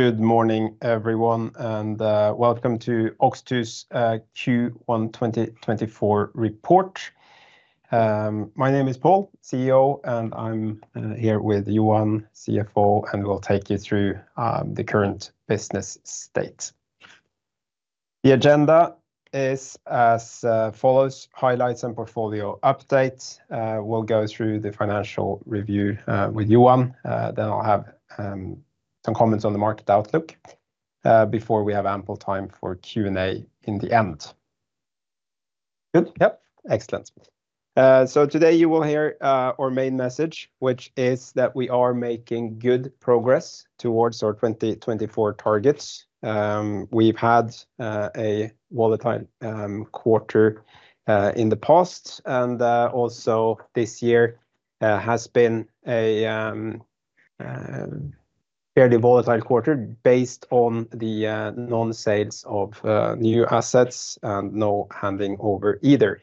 Good morning everyone, and welcome to OX2's Q1 2024 report. My name is Paul, CEO, and I'm here with Johan, CFO, and we'll take you through the current business state. The agenda is as follows: highlights and portfolio update. We'll go through the financial review with Johan, then I'll have some comments on the market outlook before we have ample time for Q&A in the end. Good. Yep, excellent. So today you will hear our main message, which is that we are making good progress towards our 2024 targets. We've had a volatile quarter in the past, and also this year has been a fairly volatile quarter based on the non-sales of new assets and no handing over either.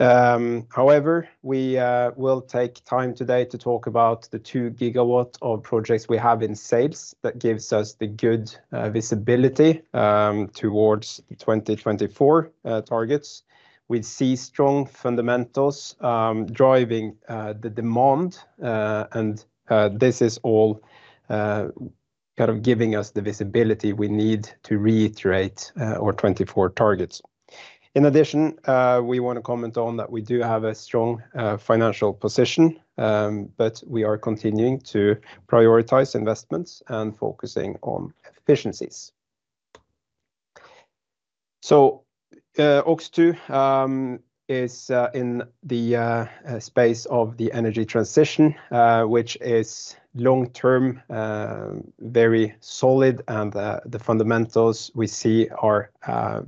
However, we will take time today to talk about the 2 GW of projects we have in sales that gives us the good visibility towards the 2024 targets. We see strong fundamentals driving the demand, and this is all kind of giving us the visibility we need to reiterate our 2024 targets. In addition, we want to comment on that we do have a strong financial position, but we are continuing to prioritize investments and focusing on efficiencies. So OX2 is in the space of the energy transition, which is long-term, very solid, and the fundamentals we see are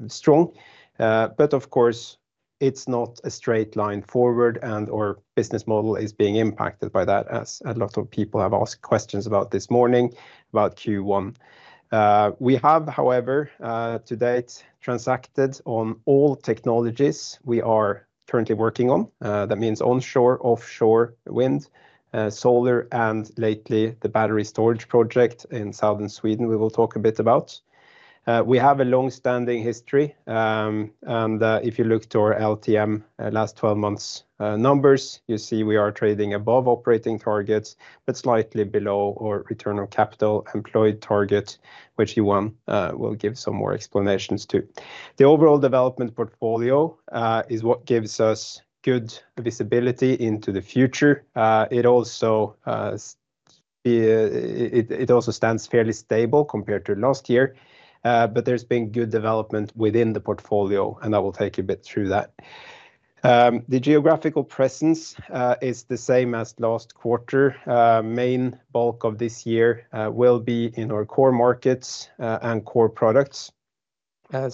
strong. But of course, it's not a straight line forward, and our business model is being impacted by that, as a lot of people have asked questions about this morning about Q1. We have, however, to date transacted on all technologies we are currently working on. That means onshore, offshore, wind, solar, and lately the battery storage project in southern Sweden we will talk a bit about. We have a long-standing history, and if you look to our LTM last 12 months' numbers, you see we are trading above operating targets but slightly below our return on capital employed target, which Johan will give some more explanations to. The overall development portfolio is what gives us good visibility into the future. It also stands fairly stable compared to last year, but there's been good development within the portfolio, and I will take you a bit through that. The geographical presence is the same as last quarter. The main bulk of this year will be in our core markets and core products.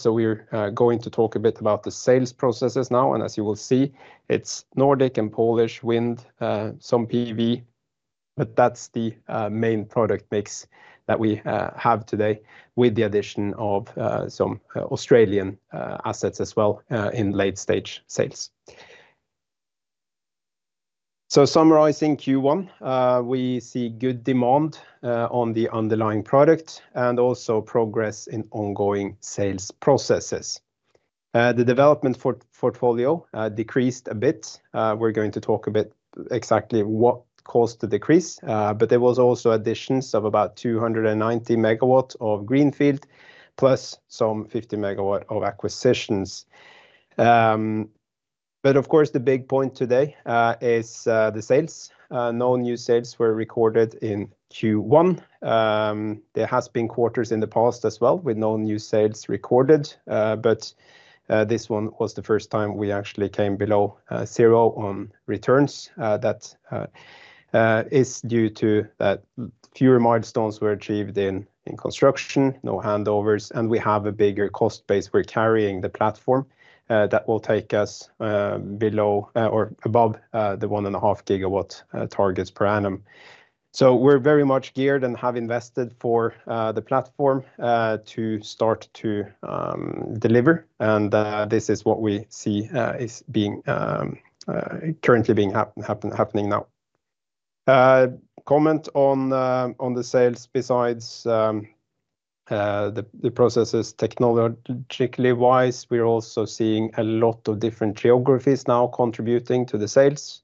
We're going to talk a bit about the sales processes now, and as you will see, it's Nordic and Polish wind, some PV, but that's the main product mix that we have today with the addition of some Australian assets as well in late-stage sales. Summarizing Q1, we see good demand on the underlying product and also progress in ongoing sales processes. The development portfolio decreased a bit. We're going to talk a bit exactly what caused the decrease, but there was also additions of about 290 MW of greenfield plus some 50 MW of acquisitions. Of course, the big point today is the sales. No new sales were recorded in Q1. There have been quarters in the past as well with no new sales recorded, but this one was the first time we actually came below zero on returns. That is due to fewer milestones were achieved in construction, no handovers, and we have a bigger cost base we're carrying the platform that will take us above the 1.5 GW targets per annum. So we're very much geared and have invested for the platform to start to deliver, and this is what we see is currently being happening now. Comment on the sales: besides the processes technologically wise, we're also seeing a lot of different geographies now contributing to the sales.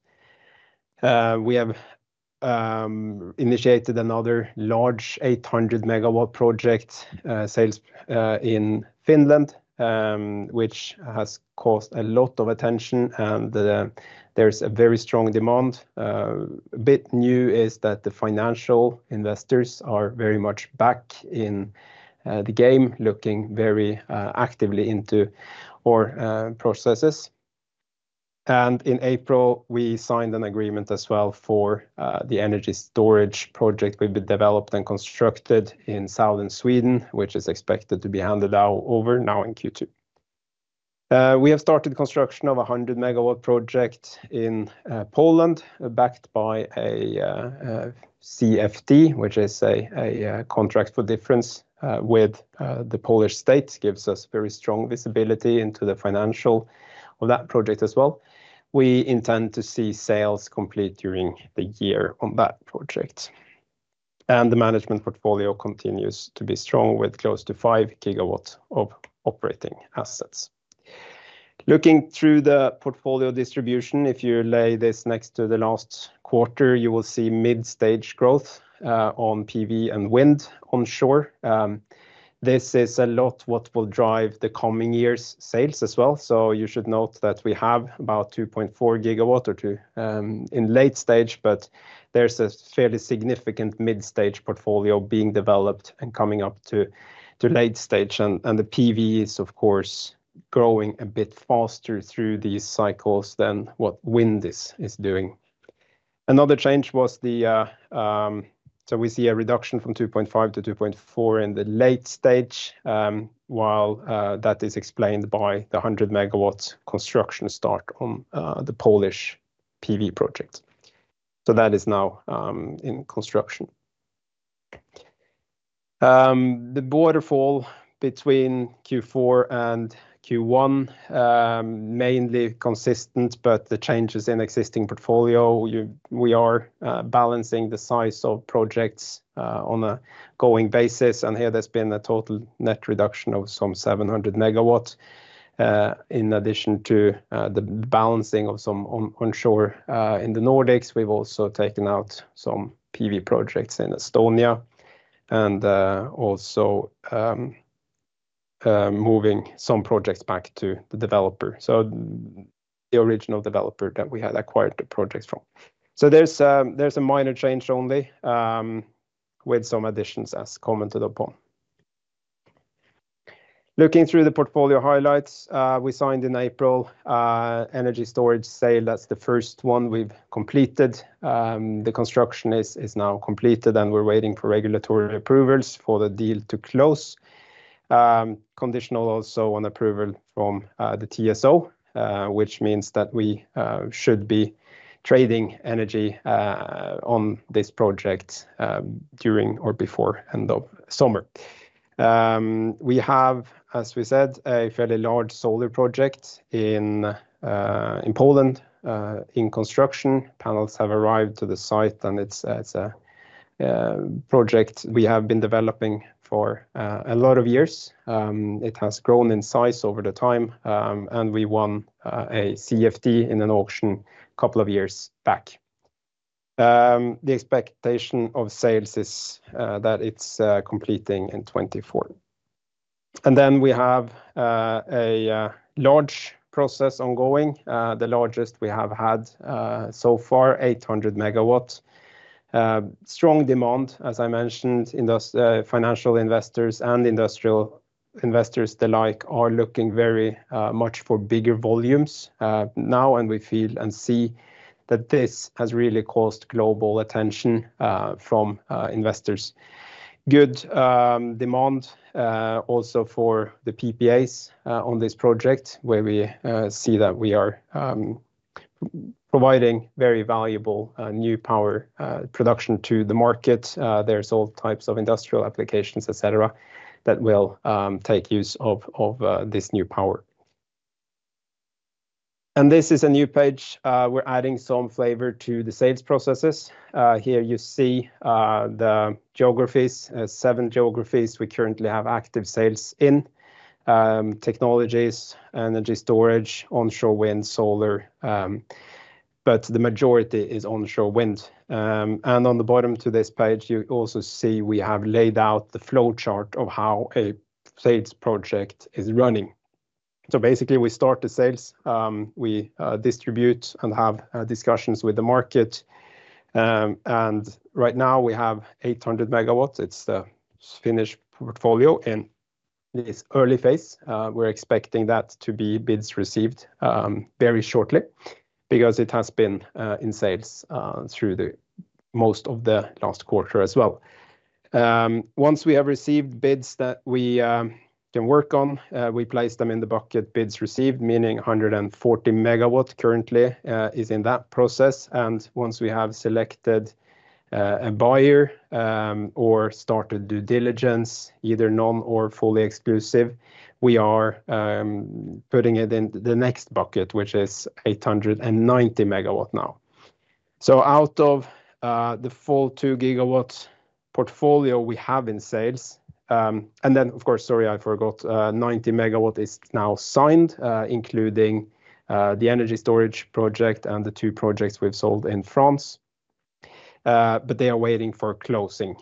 We have initiated another large 800 MW project sales in Finland, which has caused a lot of attention, and there's a very strong demand. A bit new is that the financial investors are very much back in the game, looking very actively into our processes. In April, we signed an agreement as well for the energy storage project we've developed and constructed in southern Sweden, which is expected to be handed over now in Q2. We have started construction of a 100 MW project in Poland, backed by a CFD, which is a contract for difference with the Polish state, gives us very strong visibility into the financial of that project as well. We intend to see sales complete during the year on that project, and the management portfolio continues to be strong with close to 5 GW of operating assets. Looking through the portfolio distribution, if you lay this next to the last quarter, you will see mid-stage growth on PV and wind onshore. This is a lot what will drive the coming years' sales as well. So you should note that we have about 2.4 GW in late-stage, but there's a fairly significant mid-stage portfolio being developed and coming up to late-stage, and the PV is, of course, growing a bit faster through these cycles than what wind is doing. Another change was—so we see a reduction from 2.5 to 2.4 in the late stage, while that is explained by the 100 MW construction start on the Polish PV project. So that is now in construction. The waterfall between Q4 and Q1 is mainly consistent, but the changes in existing portfolio, we are balancing the size of projects on a going basis, and here there's been a total net reduction of some 700 MW in addition to the balancing of some onshore in the Nordics. We've also taken out some PV projects in Estonia and also moving some projects back to the developer, so the original developer that we had acquired the projects from. So there's a minor change only with some additions as commented upon. Looking through the portfolio highlights we signed in April: energy storage sale, that's the first one we've completed. The construction is now completed, and we're waiting for regulatory approvals for the deal to close. Conditional also on approval from the TSO, which means that we should be trading energy on this project during or before the end of summer. We have, as we said, a fairly large solar project in Poland in construction. Panels have arrived to the site, and it's a project we have been developing for a lot of years. It has grown in size over the time, and we won a CFD in an auction a couple of years back. The expectation of sales is that it's completing in 2024. And then we have a large process ongoing, the largest we have had so far: 800 MW. Strong demand, as I mentioned, financial investors and industrial investors alike are looking very much for bigger volumes now, and we feel and see that this has really caused global attention from investors. Good demand also for the PPAs on this project, where we see that we are providing very valuable new power production to the market. There's all types of industrial applications, etc., that will take use of this new power. And this is a new page. We're adding some flavor to the sales processes. Here you see the geographies: 7 geographies we currently have active sales in: technologies, energy storage, onshore wind, solar, but the majority is onshore wind. And on the bottom of this page, you also see we have laid out the flowchart of how a sales project is running. So basically, we start the sales, we distribute, and have discussions with the market. And right now we have 800 MW. It's the Finnish portfolio in this early phase. We're expecting that to be bids received very shortly because it has been in sales through most of the last quarter as well. Once we have received bids that we can work on, we place them in the bucket bids received, meaning 140 MW currently is in that process. And once we have selected a buyer or started due diligence, either non or fully exclusive, we are putting it in the next bucket, which is 890 MW now. So out of the full 2 GW portfolio we have in sales, and then, of course, sorry, I forgot, 90 MW is now signed, including the energy storage project and the two projects we've sold in France. But they are waiting for closing,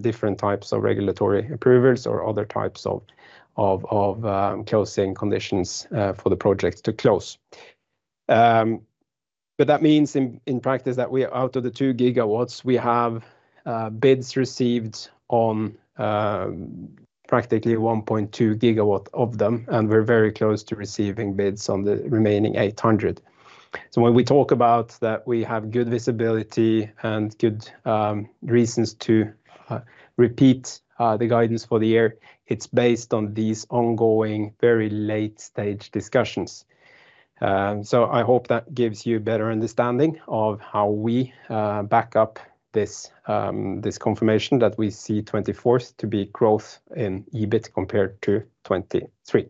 different types of regulatory approvals or other types of closing conditions for the project to close. But that means in practice that out of the 2 GW, we have bids received on practically 1.2 GW of them, and we're very close to receiving bids on the remaining 800. So when we talk about that we have good visibility and good reasons to repeat the guidance for the year, it's based on these ongoing, very late-stage discussions. So I hope that gives you a better understanding of how we back up this confirmation that we see 2024 to be growth in EBIT compared to 2023.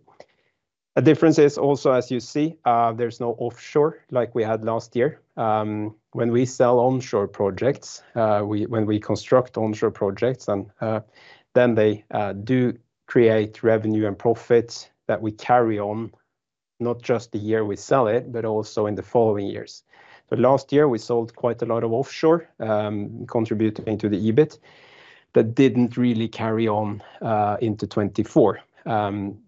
The difference is also, as you see, there's no offshore like we had last year. When we sell onshore projects, when we construct onshore projects, then they do create revenue and profit that we carry on not just the year we sell it, but also in the following years. So last year we sold quite a lot of offshore contributing to the EBIT that didn't really carry on into 2024.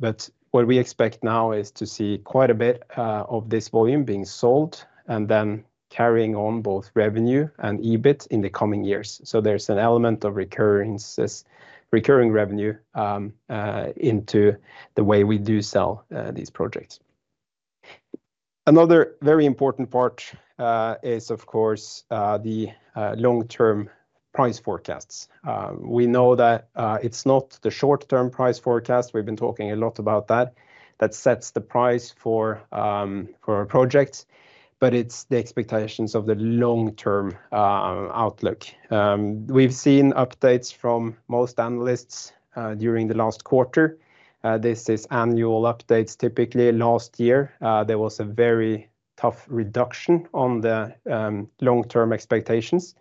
But what we expect now is to see quite a bit of this volume being sold and then carrying on both revenue and EBIT in the coming years. So there's an element of recurring revenue into the way we do sell these projects. Another very important part is, of course, the long-term price forecasts. We know that it's not the short-term price forecast. We've been talking a lot about that that sets the price for our projects, but it's the expectations of the long-term outlook. We've seen updates from most analysts during the last quarter. This is annual updates. Typically, last year there was a very tough reduction on the long-term expectations.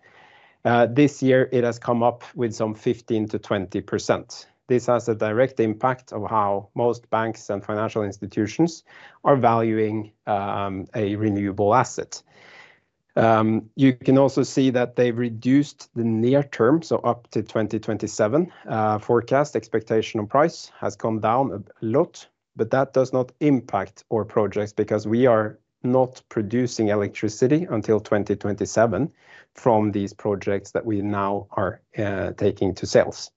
This year it has come up with some 15%-20%. This has a direct impact on how most banks and financial institutions are valuing a renewable asset. You can also see that they've reduced the near term, so up to 2027, forecast expectation on price has come down a lot, but that does not impact our projects because we are not producing electricity until 2027 from these projects that we now are taking to sales.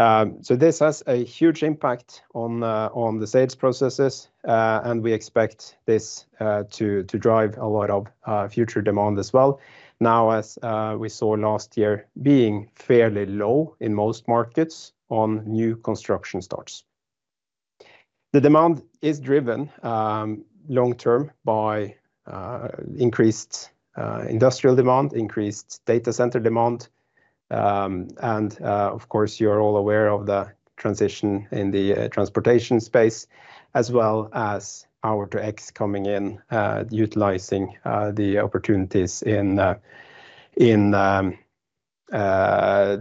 So this has a huge impact on the sales processes, and we expect this to drive a lot of future demand as well, now as we saw last year being fairly low in most markets on new construction starts. The demand is driven long-term by increased industrial demand, increased data center demand, and of course, you are all aware of the transition in the transportation space as well as Power-to-X coming in, utilizing the opportunities in the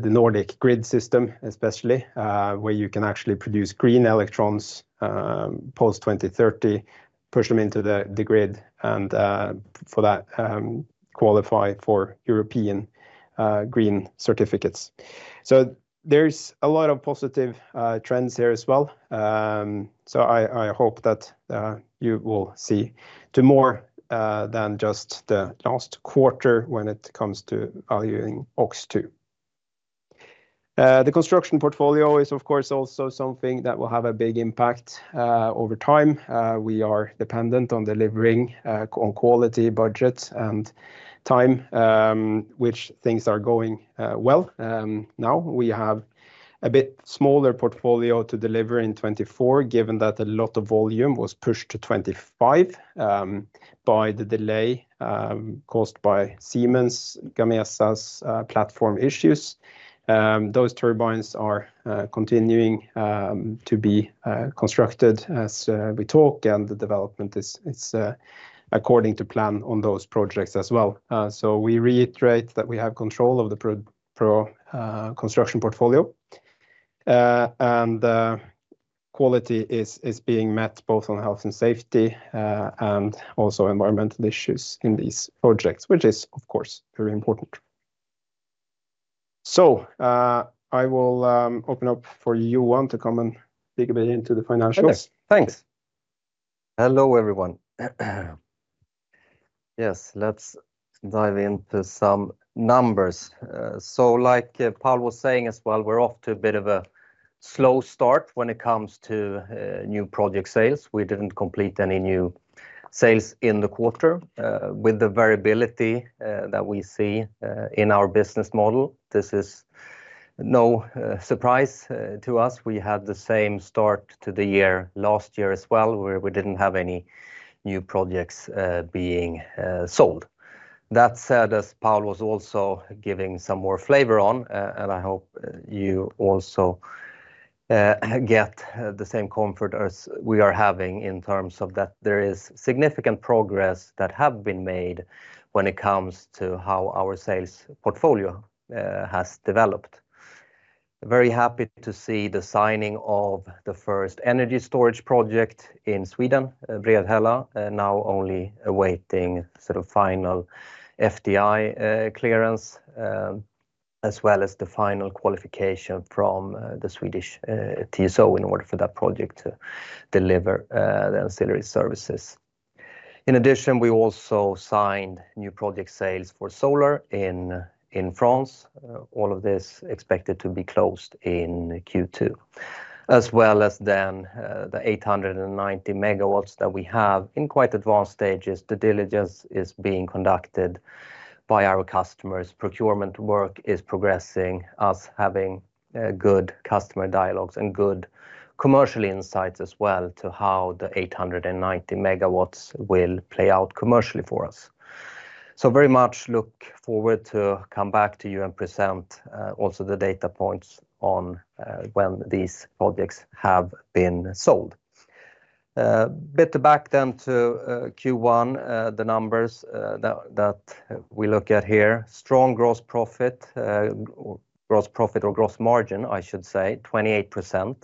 Nordic grid system, especially where you can actually produce green electrons post-2030, push them into the grid, and for that, qualify for European green certificates. So there's a lot of positive trends here as well. So I hope that you will see more than just the last quarter when it comes to valuing OX2. The construction portfolio is, of course, also something that will have a big impact over time. We are dependent on delivering on quality, budget, and time, which things are going well now. We have a bit smaller portfolio to deliver in 2024 given that a lot of volume was pushed to 2025 by the delay caused by Siemens Gamesa's platform issues. Those turbines are continuing to be constructed as we talk, and the development is according to plan on those projects as well. So we reiterate that we have control of the construction portfolio, and quality is being met both on health and safety and also environmental issues in these projects, which is, of course, very important. So I will open up for Johan to come and dig a bit into the financials. Okay, thanks. Hello everyone. Yes, let's dive into some numbers. So like Paul was saying as well, we're off to a bit of a slow start when it comes to new project sales. We didn't complete any new sales in the quarter. With the variability that we see in our business model, this is no surprise to us. We had the same start to the year last year as well where we didn't have any new projects being sold. That said, as Paul was also giving some more flavor on, and I hope you also get the same comfort as we are having in terms of that there is significant progress that has been made when it comes to how our sales portfolio has developed. Very happy to see the signing of the first energy storage project in Sweden, Bredhälla, now only awaiting sort of final FDI clearance as well as the final qualification from the Swedish TSO in order for that project to deliver the ancillary services. In addition, we also signed new project sales for solar in France. All of this is expected to be closed in Q2, as well as then the 890 MW that we have in quite advanced stages. Due diligence is being conducted by our customers. Procurement work is progressing, us having good customer dialogues and good commercial insights as well to how the 890 MW will play out commercially for us. So very much look forward to coming back to you and present also the data points on when these projects have been sold. A bit back then to Q1, the numbers that we look at here: strong gross profit or gross margin, I should say, 28%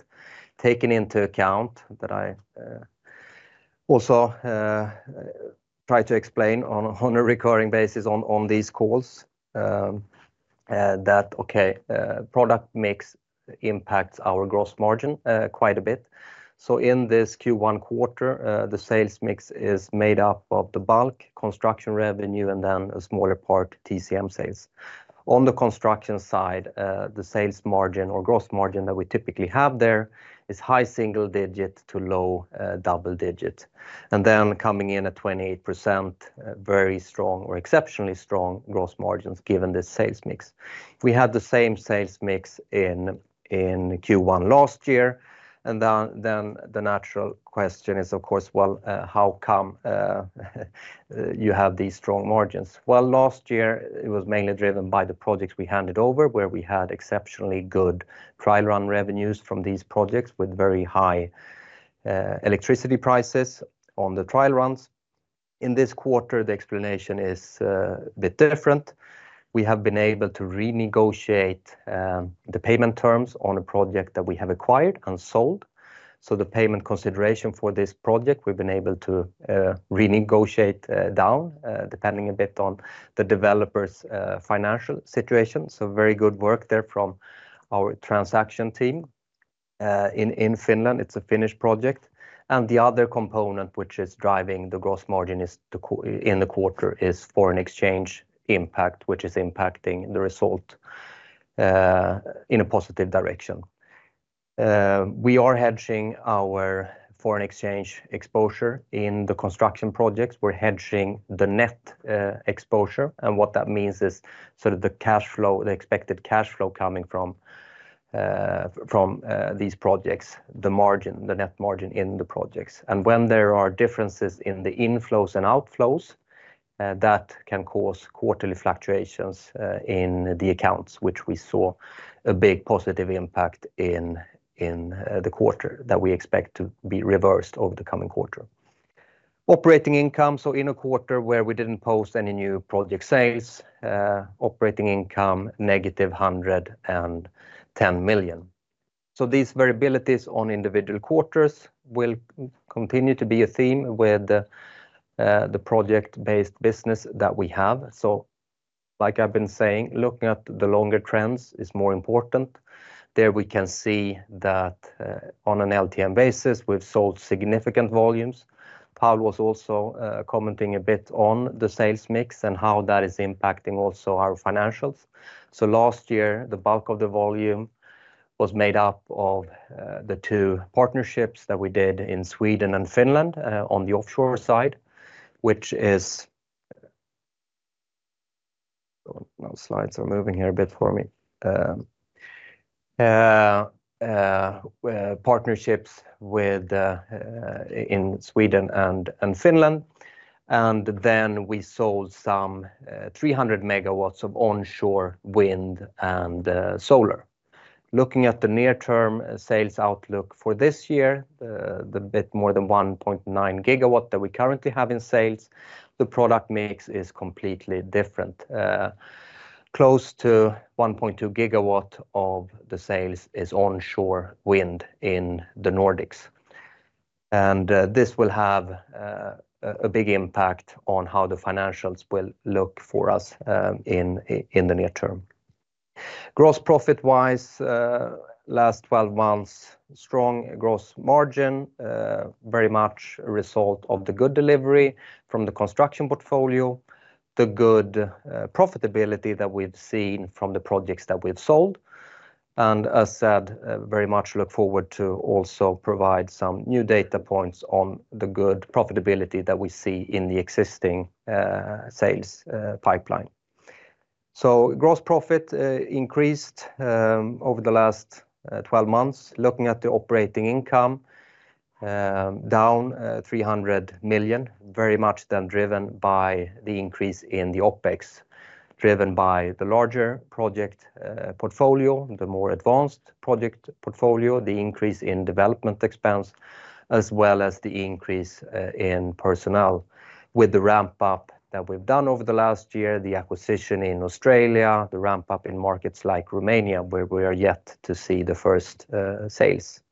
taken into account that I also try to explain on a recurring basis on these calls, that okay, product mix impacts our gross margin quite a bit. So in this Q1 quarter, the sales mix is made up of the bulk construction revenue and then a smaller part TCM sales. On the construction side, the sales margin or gross margin that we typically have there is high single digit to low double digit, and then coming in at 28%, very strong or exceptionally strong gross margins given this sales mix. We had the same sales mix in Q1 last year, and then the natural question is, of course, well, how come you have these strong margins? Well, last year it was mainly driven by the projects we handed over where we had exceptionally good trial run revenues from these projects with very high electricity prices on the trial runs. In this quarter, the explanation is a bit different. We have been able to renegotiate the payment terms on a project that we have acquired and sold. So the payment consideration for this project, we've been able to renegotiate down depending a bit on the developer's financial situation. So very good work there from our transaction team in Finland. It's a Finnish project. And the other component, which is driving the gross margin in the quarter, is foreign exchange impact, which is impacting the result in a positive direction. We are hedging our foreign exchange exposure in the construction projects. We're hedging the net exposure, and what that means is sort of the expected cash flow coming from these projects, the net margin in the projects. And when there are differences in the inflows and outflows, that can cause quarterly fluctuations in the accounts, which we saw a big positive impact in the quarter that we expect to be reversed over the coming quarter. Operating income, so in a quarter where we didn't post any new project sales, operating income -110 million. So these variabilities on individual quarters will continue to be a theme with the project-based business that we have. So like I've been saying, looking at the longer trends is more important. There we can see that on an LTM basis, we've sold significant volumes. Paul was also commenting a bit on the sales mix and how that is impacting also our financials. So last year, the bulk of the volume was made up of the two partnerships that we did in Sweden and Finland on the offshore side, which is, now slides are moving here a bit for me, partnerships in Sweden and Finland. And then we sold some 300 MW of onshore wind and solar. Looking at the near-term sales outlook for this year, the bit more than 1.9 GW that we currently have in sales, the product mix is completely different. Close to 1.2 GW of the sales is onshore wind in the Nordics. And this will have a big impact on how the financials will look for us in the near term. Gross profit-wise, last 12 months, strong gross margin, very much a result of the good delivery from the construction portfolio, the good profitability that we've seen from the projects that we've sold. As said, very much look forward to also providing some new data points on the good profitability that we see in the existing sales pipeline. So gross profit increased over the last 12 months. Looking at the operating income, down 300 million, very much then driven by the increase in the OpEx, driven by the larger project portfolio, the more advanced project portfolio, the increase in development expense, as well as the increase in personnel. With the ramp-up that we've done over the last year, the acquisition in Australia, the ramp-up in markets like Romania where we are yet to see the first sales.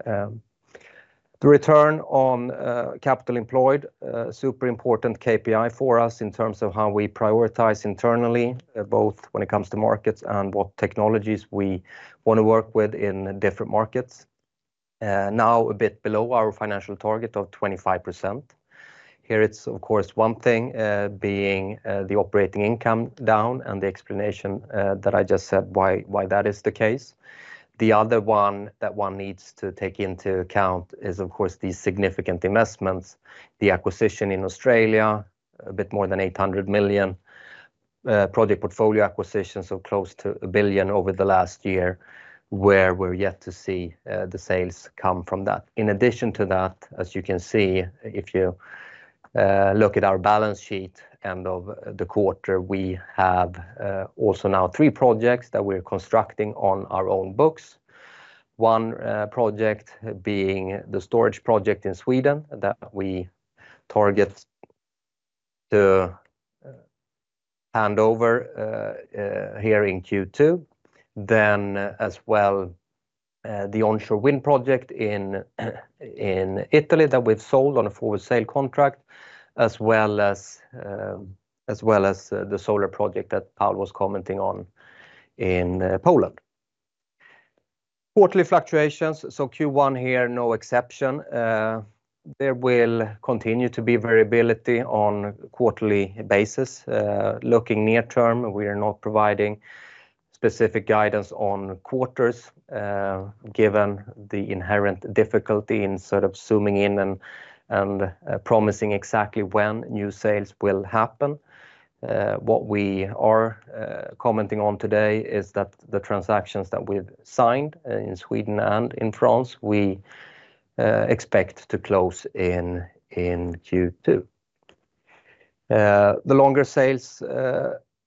The return on capital employed, super important KPI for us in terms of how we prioritize internally, both when it comes to markets and what technologies we want to work with in different markets. Now a bit below our financial target of 25%. Here it's, of course, one thing being the operating income down and the explanation that I just said why that is the case. The other one that one needs to take into account is, of course, these significant investments, the acquisition in Australia, a bit more than 800 million, project portfolio acquisitions, so close to 1 billion over the last year where we're yet to see the sales come from that. In addition to that, as you can see, if you look at our balance sheet end of the quarter, we have also now three projects that we're constructing on our own books. One project being the storage project in Sweden that we target to hand over here in Q2, then as well the onshore wind project in Italy that we've sold on a forward sale contract, as well as the solar project that Paul was commenting on in Poland. Quarterly fluctuations, so Q1 here, no exception. There will continue to be variability on quarterly basis. Looking near term, we are not providing specific guidance on quarters given the inherent difficulty in sort of zooming in and promising exactly when new sales will happen. What we are commenting on today is that the transactions that we've signed in Sweden and in France, we expect to close in Q2. The longer sales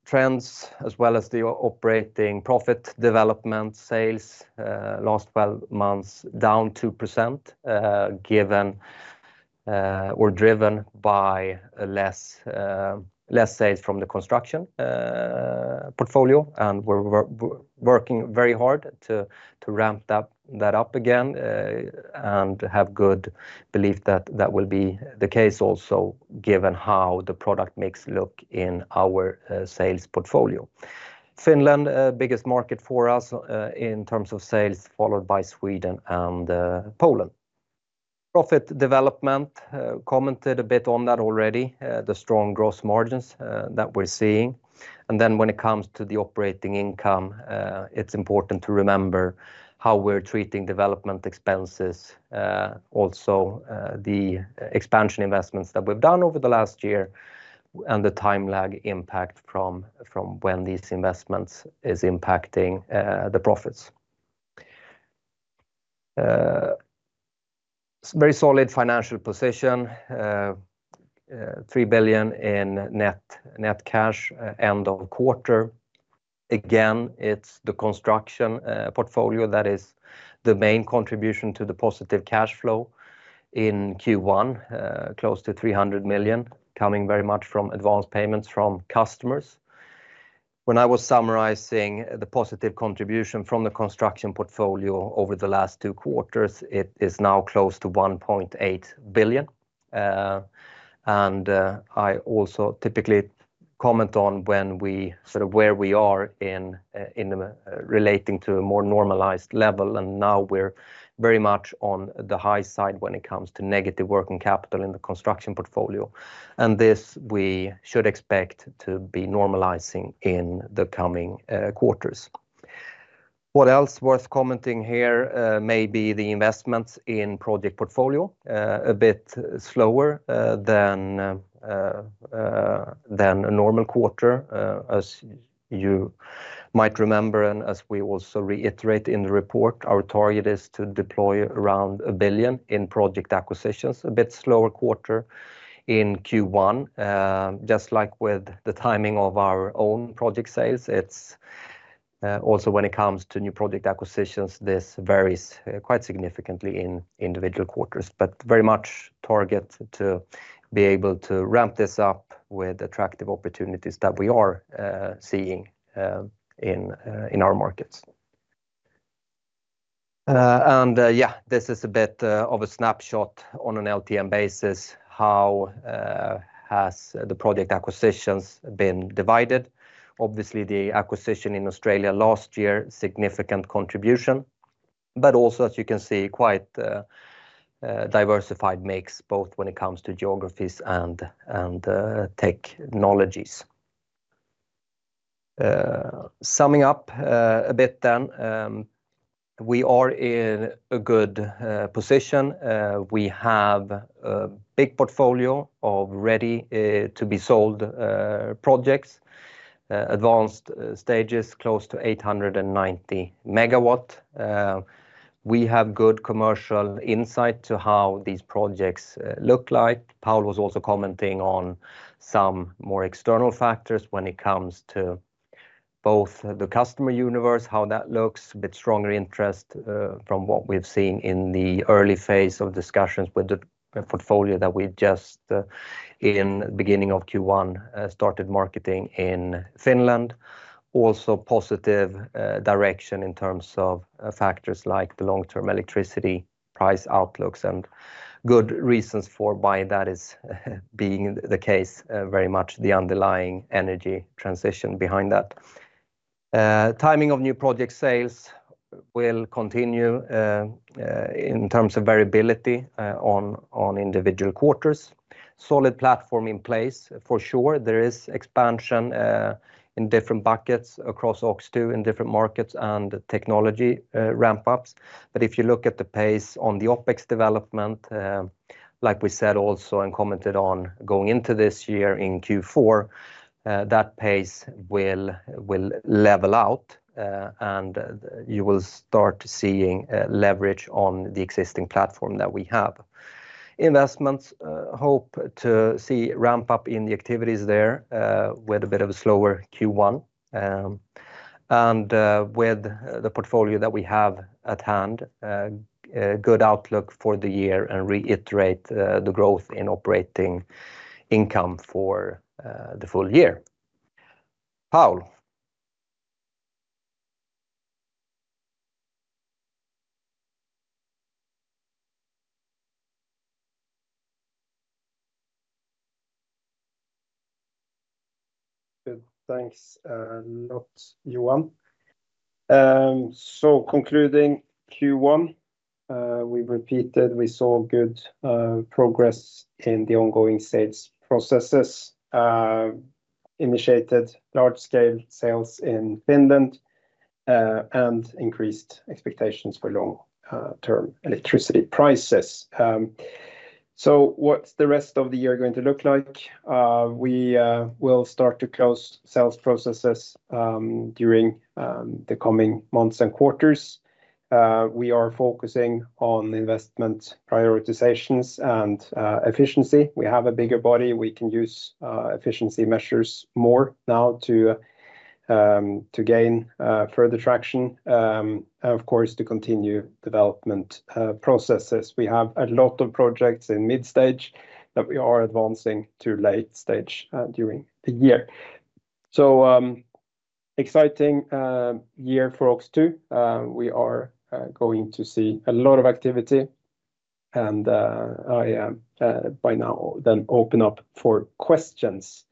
trends, as well as the operating profit development sales, last 12 months down 2% given or driven by less sales from the construction portfolio, and we're working very hard to ramp that up again and have good belief that that will be the case also given how the product mix looks in our sales portfolio. Finland, biggest market for us in terms of sales, followed by Sweden and Poland. Profit development, commented a bit on that already, the strong gross margins that we're seeing. Then when it comes to the operating income, it's important to remember how we're treating development expenses, also the expansion investments that we've done over the last year and the time lag impact from when these investments are impacting the profits. Very solid financial position, 3 billion in net cash end of quarter. Again, it's the construction portfolio that is the main contribution to the positive cash flow in Q1, close to 300 million, coming very much from advanced payments from customers. When I was summarizing the positive contribution from the construction portfolio over the last two quarters, it is now close to 1.8 billion. I also typically comment on where we are in relating to a more normalized level, and now we're very much on the high side when it comes to negative working capital in the construction portfolio. This we should expect to be normalizing in the coming quarters. What else worth commenting here may be the investments in project portfolio, a bit slower than a normal quarter, as you might remember, and as we also reiterate in the report, our target is to deploy around 1 billion in project acquisitions, a bit slower quarter in Q1. Just like with the timing of our own project sales, it's also when it comes to new project acquisitions, this varies quite significantly in individual quarters, but very much target to be able to ramp this up with attractive opportunities that we are seeing in our markets. Yeah, this is a bit of a snapshot on an LTM basis, how the project acquisitions have been divided? Obviously, the acquisition in Australia last year, significant contribution, but also, as you can see, quite diversified mix both when it comes to geographies and technologies. Summing up a bit then, we are in a good position. We have a big portfolio of ready-to-be-sold projects, advanced stages, close to 890 MW. We have good commercial insight to how these projects look like. Paul was also commenting on some more external factors when it comes to both the customer universe, how that looks, a bit stronger interest from what we've seen in the early phase of discussions with the portfolio that we just, in the beginning of Q1, started marketing in Finland. Also positive direction in terms of factors like the long-term electricity price outlooks and good reasons for why that is being the case, very much the underlying energy transition behind that. Timing of new project sales will continue in terms of variability on individual quarters. Solid platform in place for sure. There is expansion in different buckets across OX2 in different markets and technology ramp-ups. But if you look at the pace on the OpEx development, like we said also and commented on going into this year in Q4, that pace will level out and you will start seeing leverage on the existing platform that we have. Investments hope to see ramp-up in the activities there with a bit of a slower Q1. And with the portfolio that we have at hand, good outlook for the year and reiterate the growth in operating income for the full year. Paul. Good. Thanks a lot, Johan. So concluding Q1, we repeated, we saw good progress in the ongoing sales processes, initiated large-scale sales in Finland, and increased expectations for long-term electricity prices. So what's the rest of the year going to look like? We will start to close sales processes during the coming months and quarters. We are focusing on investment prioritizations and efficiency. We have a bigger body. We can use efficiency measures more now to gain further traction and, of course, to continue development processes. We have a lot of projects in mid-stage that we are advancing to late-stage during the year. So exciting year for OX2. We are going to see a lot of activity. And I by now then open up for questions.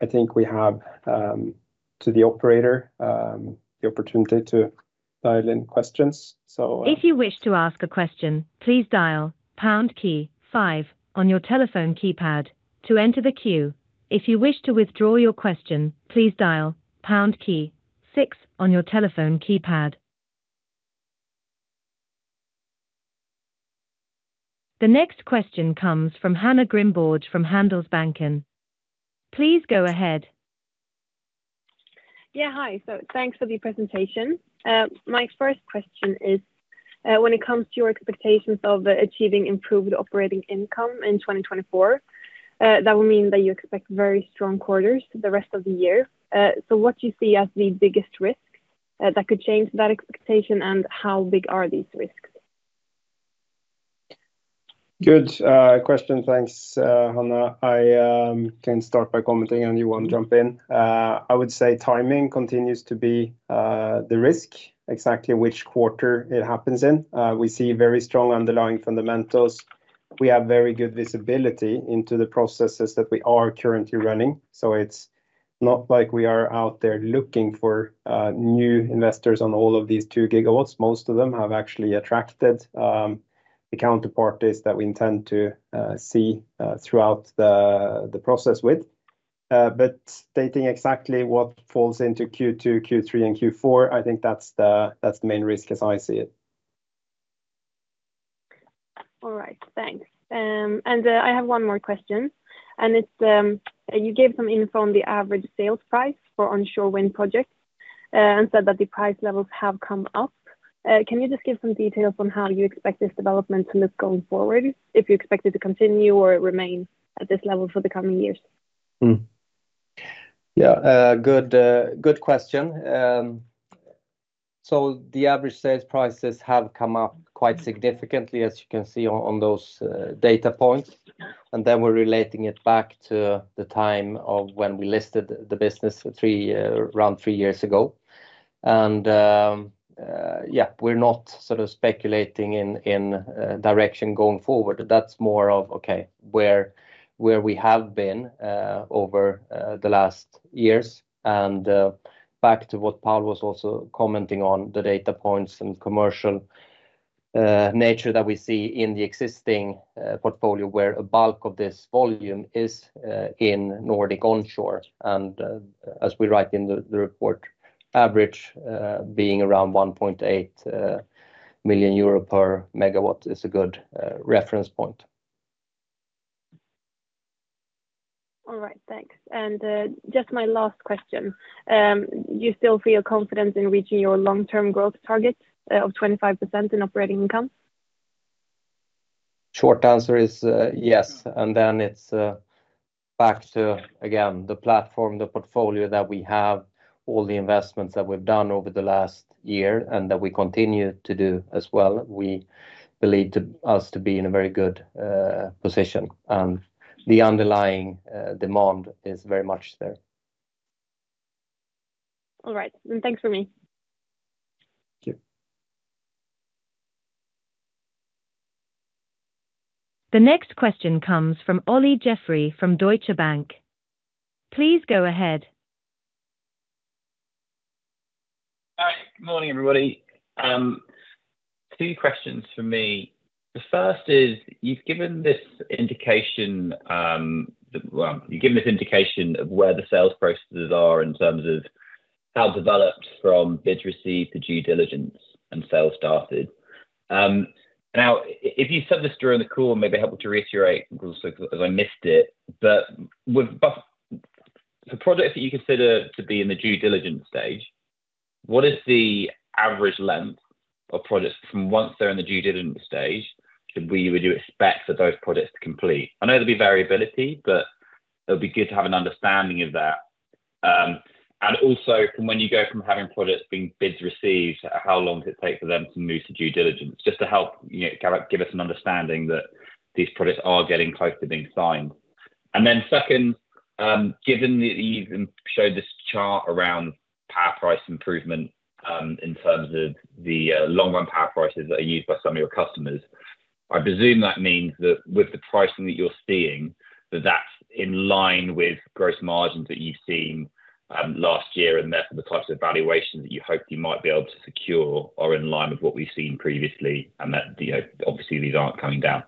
I think we have to the operator the opportunity to dial in questions. So. If you wish to ask a question, please dial pound key 5 on your telephone keypad to enter the queue. If you wish to withdraw your question, please dial pound key 6 on your telephone keypad. The next question comes from Hanna Grimborg from Handelsbanken. Please go ahead. Yeah, hi. So thanks for the presentation. My first question is, when it comes to your expectations of achieving improved operating income in 2024, that will mean that you expect very strong quarters the rest of the year. So what do you see as the biggest risks that could change that expectation, and how big are these risks? Good question. Thanks, Hanna. I can start by commenting, and you want to jump in. I would say timing continues to be the risk, exactly which quarter it happens in. We see very strong underlying fundamentals. We have very good visibility into the processes that we are currently running. So it's not like we are out there looking for new investors on all of these 2 GW. Most of them have actually attracted the counterparties that we intend to see throughout the process with. But dating exactly what falls into Q2, Q3, and Q4, I think that's the main risk as I see it. All right. Thanks. I have one more question. You gave some info on the average sales price for onshore wind projects and said that the price levels have come up. Can you just give some details on how you expect this development to look going forward, if you expect it to continue or remain at this level for the coming years? Yeah, good question. So the average sales prices have come up quite significantly, as you can see on those data points. And then we're relating it back to the time of when we listed the business around three years ago. And yeah, we're not sort of speculating in direction going forward. That's more of, okay, where we have been over the last years. And back to what Paul was also commenting on, the data points and commercial nature that we see in the existing portfolio, where a bulk of this volume is in Nordic onshore. And as we write in the report, average being around 1.8 million euro per megawatt is a good reference point. All right. Thanks. And just my last question. Do you still feel confident in reaching your long-term growth target of 25% in operating income? Short answer is yes. And then it's back to, again, the platform, the portfolio that we have, all the investments that we've done over the last year and that we continue to do as well. We believe us to be in a very good position. And the underlying demand is very much there. All right. Then thanks for me. Thank you. The next question comes from Olly Jeffery from Deutsche Bank. Please go ahead. Hi. Good morning, everybody. Two questions for me. The first is, you've given this indication well, you've given this indication of where the sales processes are in terms of how developed from bid received to due diligence and sales started. Now, if you said this during the call, maybe helpful to reiterate also because I missed it. For products that you consider to be in the due diligence stage, what is the average length of products from once they're in the due diligence stage that you would expect for those products to complete? I know there'll be variability, but it'll be good to have an understanding of that. Also, from when you go from having products being bids received, how long does it take for them to move to due diligence? Just to help give us an understanding that these products are getting close to being signed. And then second, given that you've showed this chart around power price improvement in terms of the long-run power prices that are used by some of your customers, I presume that means that with the pricing that you're seeing, that that's in line with gross margins that you've seen last year and therefore the types of valuations that you hope you might be able to secure are in line with what we've seen previously and that, obviously, these aren't coming down.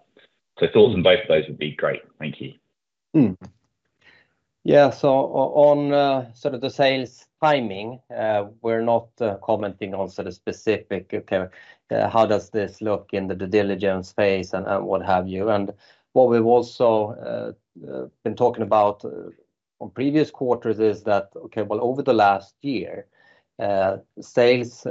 So thoughts on both of those would be great. Thank you. Yeah. So on sort of the sales timing, we're not commenting on sort of specific, okay, how does this look in the due diligence phase and what have you. And what we've also been talking about on previous quarters is that, okay, well, over the last year, sales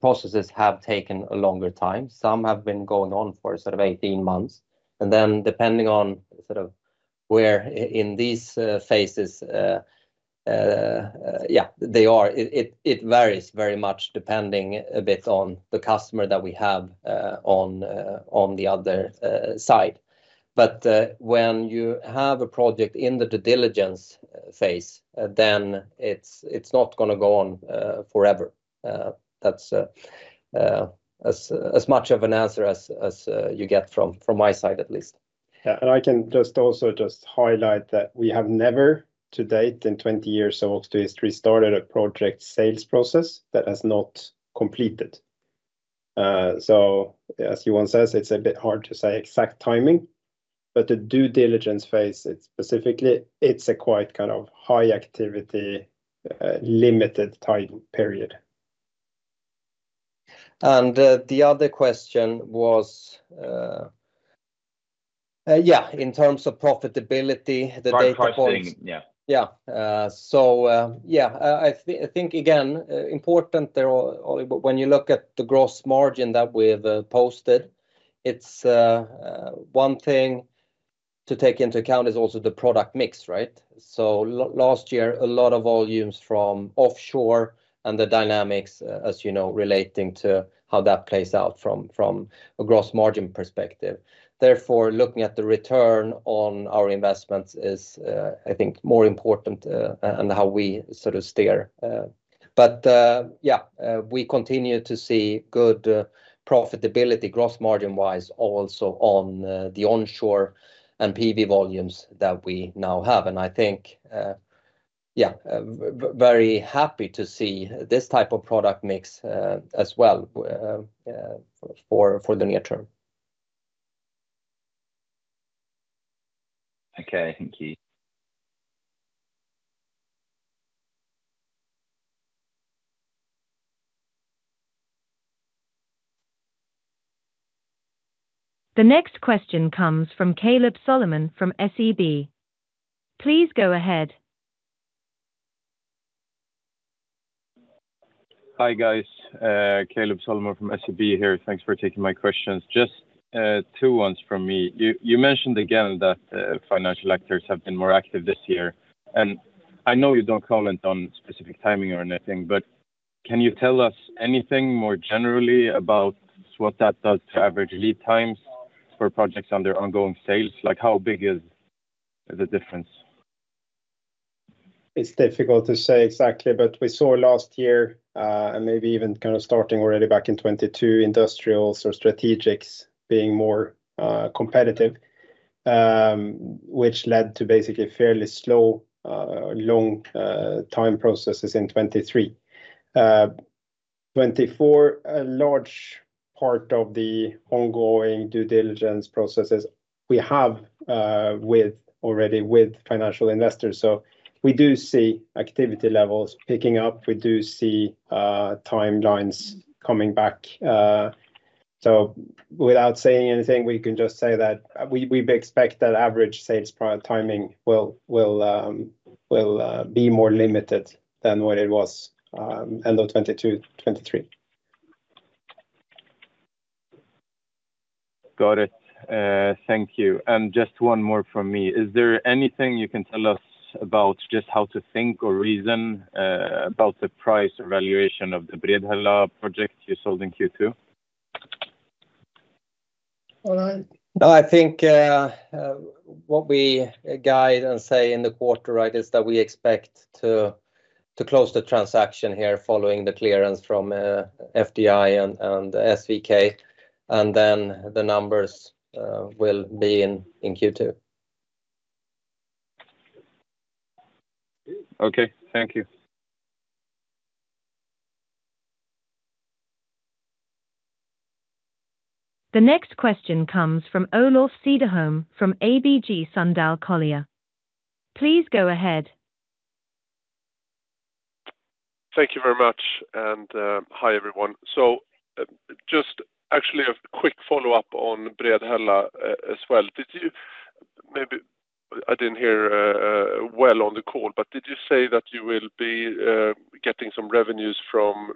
processes have taken a longer time. Some have been going on for sort of 18 months. And then depending on sort of where in these phases, yeah, they are, it varies very much depending a bit on the customer that we have on the other side. But when you have a project in the due diligence phase, then it's not going to go on forever. That's as much of an answer as you get from my side, at least. Yeah. And I can just also just highlight that we have never, to date, in 20 years of OX2 history, started a project sales process that has not completed. So as Johan says, it's a bit hard to say exact timing. But the due diligence phase, specifically, it's a quite kind of high-activity, limited time period. And the other question was, yeah, in terms of profitability, the data points. Power pricing, yeah. Yeah. So yeah, I think, again, important there, Olly, when you look at the gross margin that we've posted, one thing to take into account is also the product mix, right? So last year, a lot of volumes from offshore and the dynamics, as you know, relating to how that plays out from a gross margin perspective. Therefore, looking at the return on our investments is, I think, more important and how we sort of steer. But yeah, we continue to see good profitability gross margin-wise also on the onshore and PV volumes that we now have. And I think, yeah, very happy to see this type of product mix as well for the near term. Okay. Thank you. The next question comes from Kaleb Solomon from SEB. Please go ahead. Hi, guys. Kaleb Solomon from SEB here. Thanks for taking my questions. Just two questions from me. You mentioned again that financial actors have been more active this year. And I know you don't comment on specific timing or anything, but can you tell us anything more generally about what that does to average lead times for projects under ongoing sales? How big is the difference? It's difficult to say exactly, but we saw last year and maybe even kind of starting already back in 2022, industrials or strategics being more competitive, which led to basically fairly slow, long-time processes in 2023. 2024, a large part of the ongoing due diligence processes, we have already with financial investors. So we do see activity levels picking up. We do see timelines coming back. So without saying anything, we can just say that we expect that average sales timing will be more limited than what it was end of 2022, 2023. Got it. Thank you. Just one more from me. Is there anything you can tell us about just how to think or reason about the price or valuation of the Bredhälla project you sold in Q2? No, I think what we guide and say in the quarter, right, is that we expect to close the transaction here following the clearance from FDI and SVK. Then the numbers will be in Q2. Okay. Thank you. The next question comes from Olof Cederholm from ABG Sundal Collier. Please go ahead. Thank you very much. Hi, everyone. Just actually a quick follow-up on Bredhälla as well. I didn't hear well on the call, but did you say that you will be getting some revenues from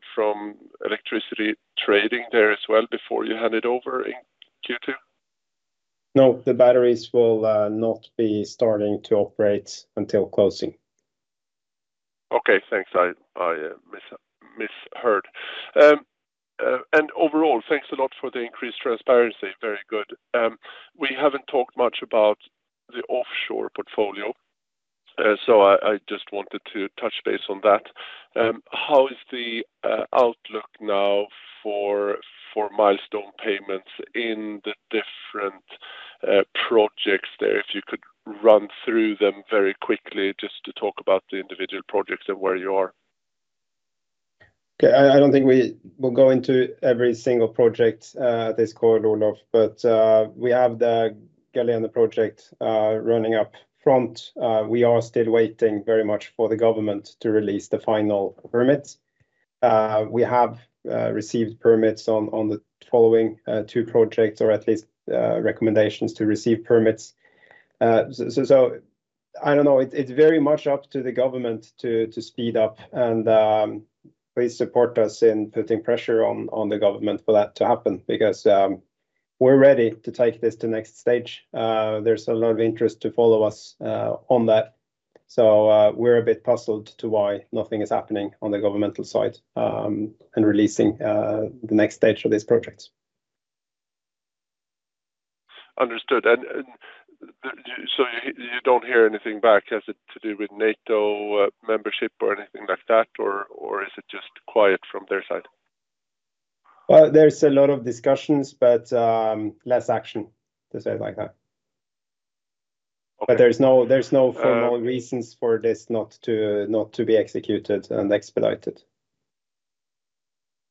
electricity trading there as well before you hand it over in Q2? No, the batteries will not be starting to operate until closing. Okay. Thanks. I misheard. Overall, thanks a lot for the increased transparency. Very good. We haven't talked much about the offshore portfolio, so I just wanted to touch base on that. How is the outlook now for milestone payments in the different projects there? If you could run through them very quickly just to talk about the individual projects and where you are. Okay. I don't think we'll go into every single project at this call, Olof. But we have the Galene project running up front. We are still waiting very much for the government to release the final permits. We have received permits on the following two projects, or at least recommendations to receive permits. I don't know. It's very much up to the government to speed up. And please support us in putting pressure on the government for that to happen because we're ready to take this to the next stage. There's a lot of interest to follow us on that. So we're a bit puzzled to why nothing is happening on the governmental side and releasing the next stage of these projects. Understood. And so you don't hear anything back. Has it to do with NATO membership or anything like that, or is it just quiet from their side? Well, there's a lot of discussions, but less action, to say it like that. But there's no formal reasons for this not to be executed and expedited.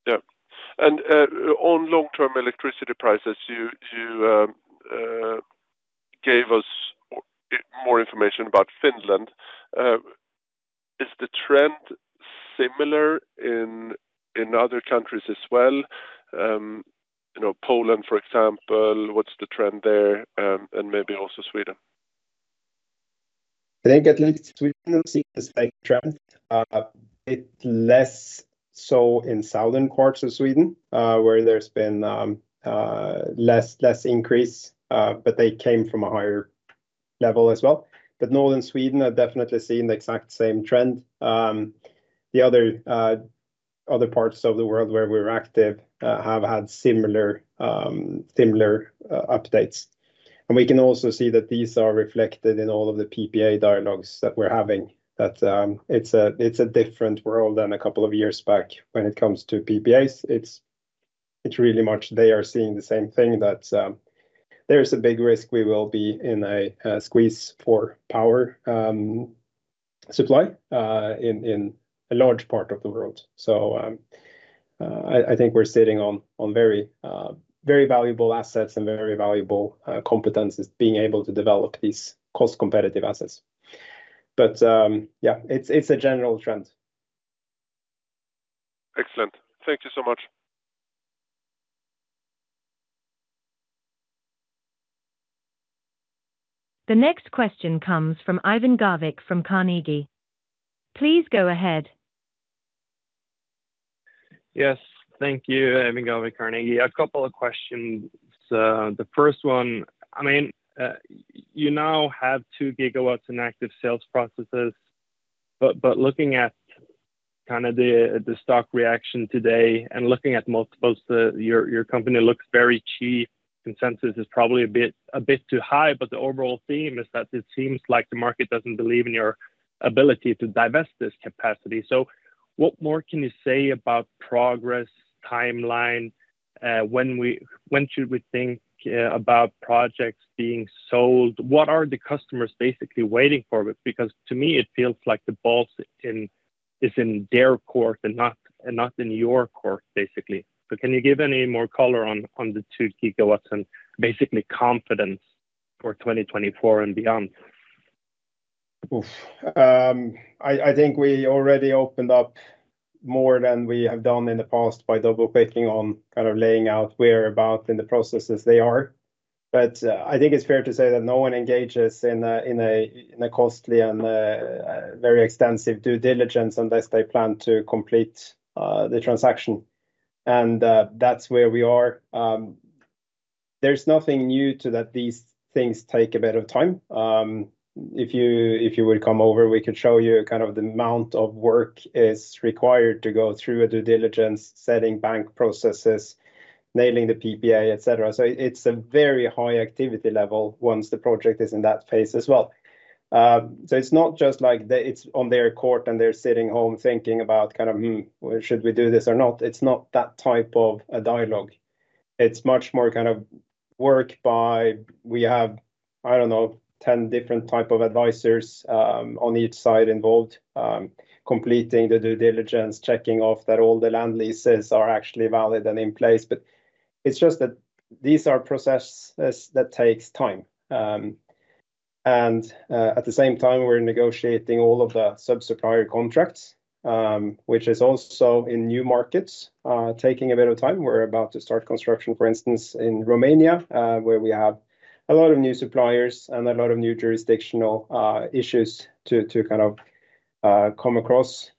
Yeah. And on long-term electricity prices, you gave us more information about Finland. Is the trend similar in other countries as well? Poland, for example, what's the trend there? And maybe also Sweden. I think at least Sweden sees a slight trend, a bit less so in southern parts of Sweden where there's been less increase, but they came from a higher level as well. But northern Sweden are definitely seeing the exact same trend. The other parts of the world where we're active have had similar updates. And we can also see that these are reflected in all of the PPA dialogues that we're having. It's a different world than a couple of years back when it comes to PPAs. It's really much they are seeing the same thing, that there's a big risk we will be in a squeeze for power supply in a large part of the world. So I think we're sitting on very valuable assets and very valuable competencies, being able to develop these cost-competitive assets. But yeah, it's a general trend. Excellent. Thank you so much. The next question comes from Eivind Garvik from Carnegie. Please go ahead. Yes. Thank you, Eivind Garvik Carnegie. A couple of questions. The first one, I mean, you now have two gigawatts in active sales processes. But looking at kind of the stock reaction today and looking at multiples, your company looks very cheap. Consensus is probably a bit too high. But the overall theme is that it seems like the market doesn't believe in your ability to divest this capacity. So what more can you say about progress timeline? When should we think about projects being sold? What are the customers basically waiting for? Because to me, it feels like the ball is in their court and not in your court, basically. So can you give any more color on the two gigawatts and basically confidence for 2024 and beyond? Oof. I think we already opened up more than we have done in the past by double-clicking on kind of laying out whereabouts in the processes they are. But I think it's fair to say that no one engages in a costly and very extensive due diligence unless they plan to complete the transaction. And that's where we are. There's nothing new to that these things take a bit of time. If you would come over, we could show you kind of the amount of work is required to go through a due diligence, setting bank processes, nailing the PPA, etc. So it's a very high activity level once the project is in that phase as well. So it's not just like it's on their court and they're sitting home thinking about kind of, should we do this or not? It's not that type of a dialogue. It's much more kind of work, but we have, I don't know, 10 different types of advisors on each side involved completing the due diligence, checking off that all the land leases are actually valid and in place. But it's just that these are processes that take time. And at the same time, we're negotiating all of the sub-supplier contracts, which is also in new markets, taking a bit of time. We're about to start construction, for instance, in Romania, where we have a lot of new suppliers and a lot of new jurisdictional issues to kind of come across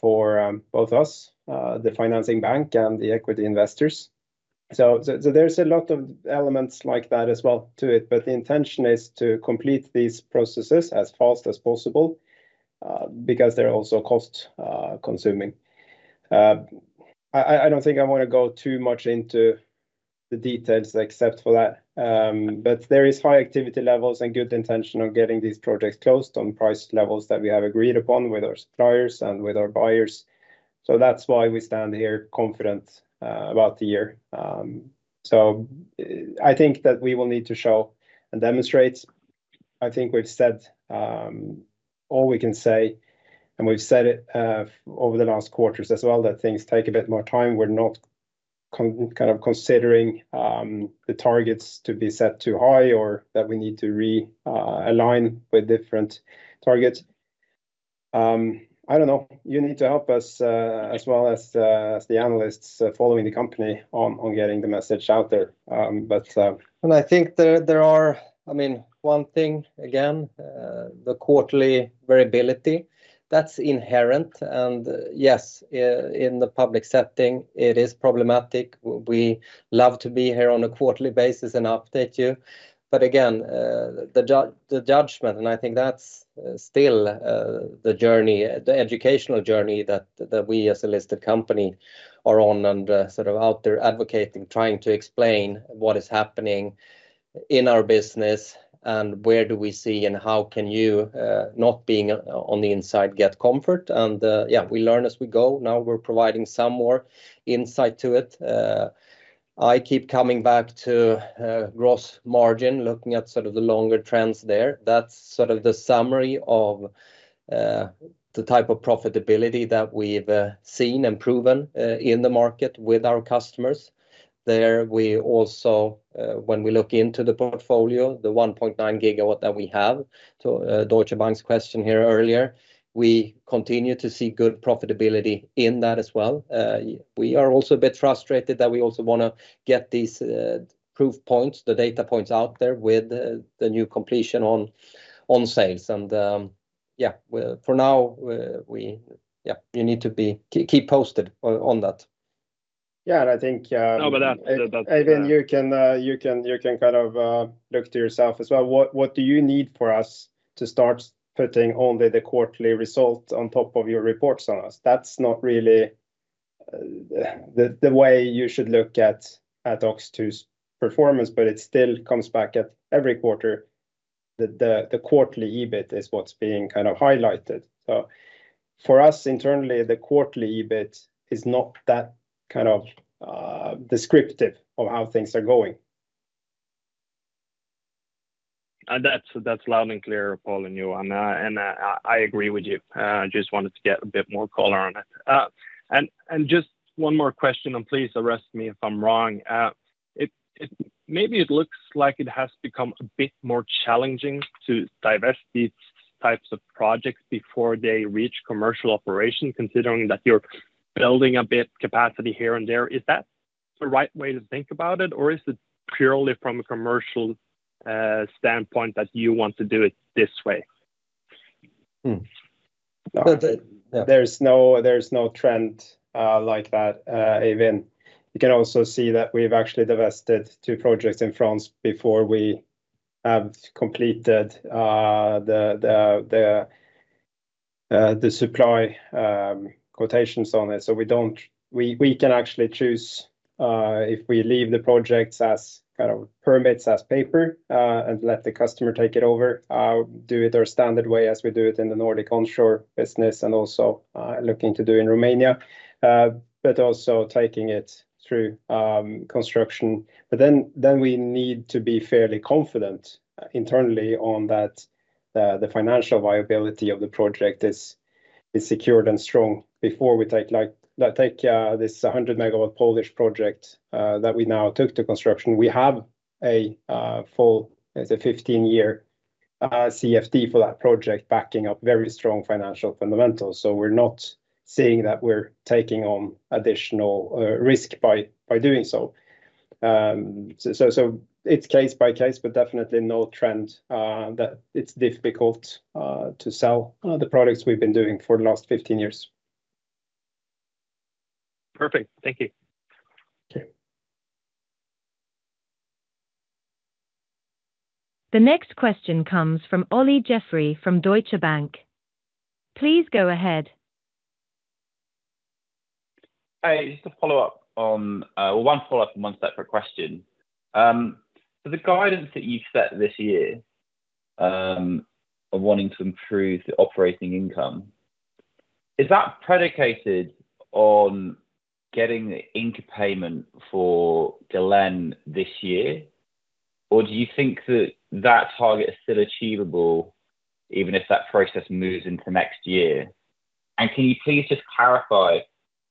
for both us, the financing bank, and the equity investors. So there's a lot of elements like that as well to it. But the intention is to complete these processes as fast as possible because they're also cost-consuming. I don't think I want to go too much into the details except for that. There is high activity levels and good intention on getting these projects closed on price levels that we have agreed upon with our suppliers and with our buyers. That's why we stand here confident about the year. I think that we will need to show and demonstrate. I think we've said all we can say, and we've said it over the last quarters as well, that things take a bit more time. We're not kind of considering the targets to be set too high or that we need to realign with different targets. I don't know. You need to help us as well as the analysts following the company on getting the message out there. I think there are I mean, one thing, again, the quarterly variability. That's inherent. Yes, in the public setting, it is problematic. We love to be here on a quarterly basis and update you. Again, the judgment, and I think that's still the educational journey that we as a listed company are on and sort of out there advocating, trying to explain what is happening in our business and where do we see and how can you, not being on the inside, get comfort. Yeah, we learn as we go. Now we're providing some more insight to it. I keep coming back to gross margin, looking at sort of the longer trends there. That's sort of the summary of the type of profitability that we've seen and proven in the market with our customers. When we look into the portfolio, the 1.9 GW that we have to Deutsche Bank's question here earlier, we continue to see good profitability in that as well. We are also a bit frustrated that we also want to get these proof points, the data points out there with the new completion on sales. And yeah, for now, yeah, you need to keep posted on that. Yeah. And I think, Eivind, you can kind of look to yourself as well. What do you need for us to start putting only the quarterly result on top of your reports on us? That's not really the way you should look at OX2's performance. But it still comes back at every quarter. The quarterly EBIT is what's being kind of highlighted. So for us internally, the quarterly EBIT is not that kind of descriptive of how things are going. That's loud and clear, Paul, and you. I agree with you. I just wanted to get a bit more color on it. Just one more question, and please arrest me if I'm wrong. Maybe it looks like it has become a bit more challenging to divest these types of projects before they reach commercial operation, considering that you're building a bit capacity here and there. Is that the right way to think about it, or is it purely from a commercial standpoint that you want to do it this way? There's no trend like that, Eivind. You can also see that we've actually divested two projects in France before we have completed the supply quotations on it. So we can actually choose if we leave the projects as kind of permits as paper and let the customer take it over, do it our standard way as we do it in the Nordic onshore business and also looking to do in Romania, but also taking it through construction. But then we need to be fairly confident internally on that the financial viability of the project is secured and strong before we take this 100-MW Polish project that we now took to construction. We have a full, it's a 15-year CFD for that project backing up very strong financial fundamentals. So we're not seeing that we're taking on additional risk by doing so. So it's case by case, but definitely no trend that it's difficult to sell the products we've been doing for the last 15 years. Perfect. Thank you. The next question comes from Olly Jeffery from Deutsche Bank. Please go ahead. Hi. Just a follow-up on well, one follow-up and one separate question. For the guidance that you've set this year of wanting to improve the operating income, is that predicated on getting the Ingka payment for Galene this year, or do you think that that target is still achievable even if that process moves into next year? And can you please just clarify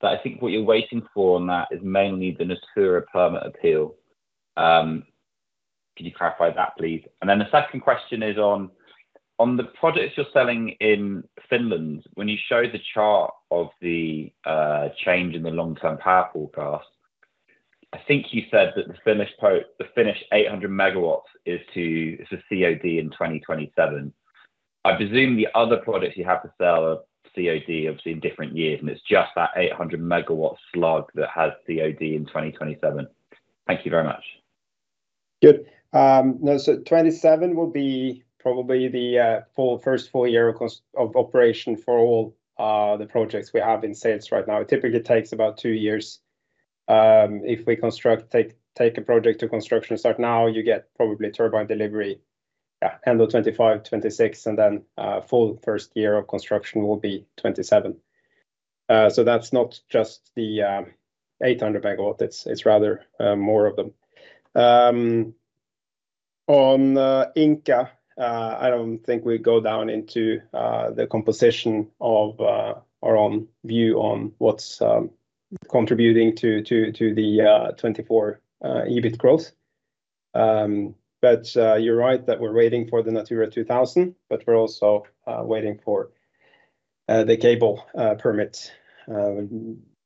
that I think what you're waiting for on that is mainly the Natura 2000 permit appeal. Could you clarify that, please? And then the second question is on the projects you're selling in Finland. When you showed the chart of the change in the long-term power forecast, I think you said that the Finnish 800 MW is the COD in 2027. I presume the other products you have to sell are COD, obviously, in different years. It's just that 800 MW slug that has COD in 2027. Thank you very much. Good. No, so 2027 will be probably the first full year of operation for all the projects we have in sales right now. It typically takes about two years. If we take a project to construction start now, you get probably turbine delivery, yeah, end of 2025, 2026. Then full first year of construction will be 2027. So that's not just the 800 MW. It's rather more of them. On income, I don't think we go down into the composition of our own view on what's contributing to the 2024 EBIT growth. But you're right that we're waiting for the Natura 2000, but we're also waiting for the cable permit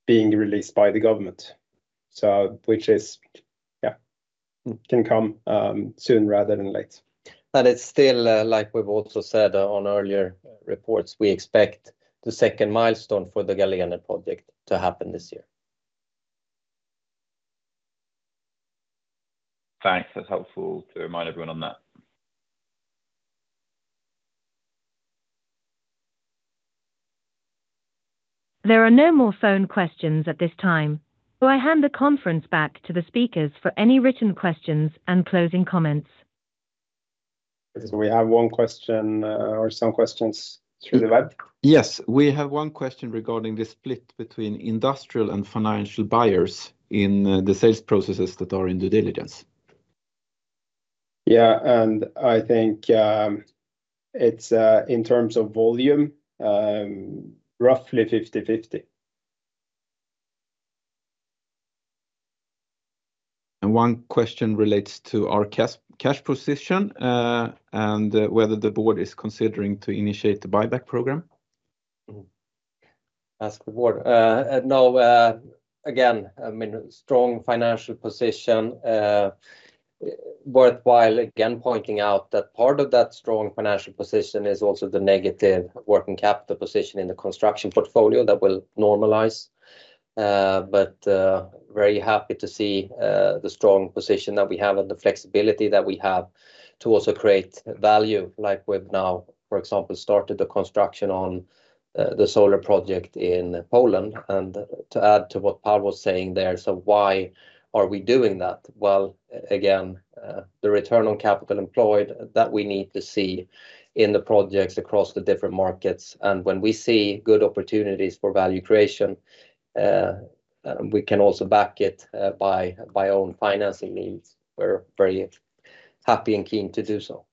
being released by the government, which can come soon rather than late. And it's still like we've also said on earlier reports, we expect the second milestone for the Galene project to happen this year. Thanks. That's helpful to remind everyone on that. There are no more phone questions at this time. Will I hand the conference back to the speakers for any written questions and closing comments? We have one question or some questions through the web. Yes. We have one question regarding the split between industrial and financial buyers in the sales processes that are in due diligence. Yeah. And I think it's in terms of volume, roughly 50/50. And one question relates to our cash position and whether the board is considering to initiate the buyback program. Ask the board. No, again, I mean, strong financial position. Worthwhile, again, pointing out that part of that strong financial position is also the negative working capital position in the construction portfolio that will normalize. But very happy to see the strong position that we have and the flexibility that we have to also create value. Like we've now, for example, started the construction on the solar project in Poland. And to add to what Paul was saying there, so why are we doing that? Well, again, the return on capital employed that we need to see in the projects across the different markets. And when we see good opportunities for value creation, we can also back it by our own financing needs. We're very happy and keen to do so.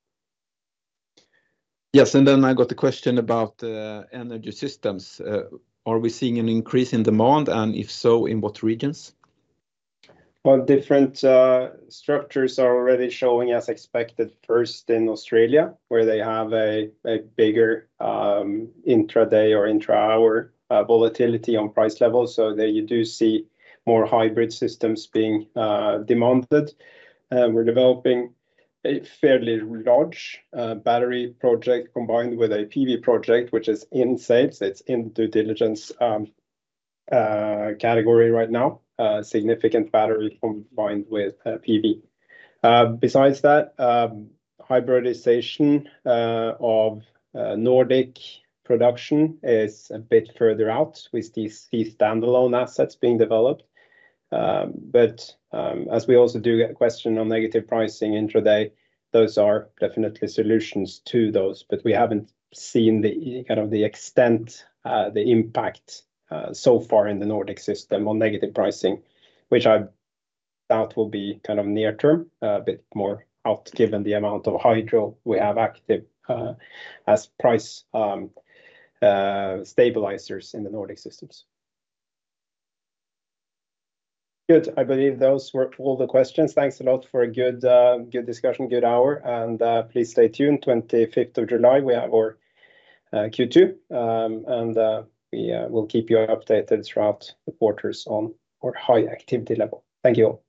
Yes. Then I got the question about energy systems. Are we seeing an increase in demand? And if so, in what regions? Well, different structures are already showing, as expected, first in Australia, where they have a bigger intraday or intra-hour volatility on price levels. So you do see more hybrid systems being demanded. We're developing a fairly large battery project combined with a PV project, which is in sales. It's in due diligence category right now, significant battery combined with PV. Besides that, hybridization of Nordic production is a bit further out with these standalone assets being developed. But as we also do get a question on negative pricing intraday, those are definitely solutions to those. But we haven't seen kind of the extent, the impact so far in the Nordic system on negative pricing, which I doubt will be kind of near term, a bit more out given the amount of hydro we have active as price stabilizers in the Nordic systems. Good. I believe those were all the questions. Thanks a lot for a good discussion, good hour. And please stay tuned. 25th of July, we have our Q2. And we will keep you updated throughout the quarters on our high activity level. Thank you all.